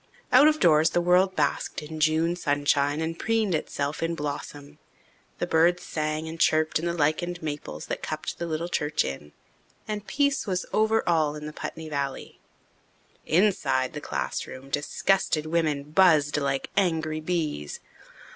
Out of doors the world basked in June sunshine and preened itself in blossom. The birds sang and chirped in the lichened maples that cupped the little church in, and peace was over all the Putney valley. Inside the classroom disgusted women buzzed like angry bees.